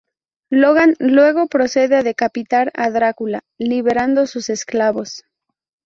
Logan luego procede a decapitar a Drácula, liberando sus esclavos.